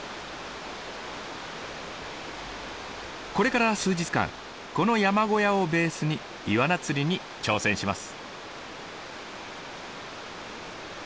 これから数日間この山小屋をベースにイワナ釣りに挑戦します。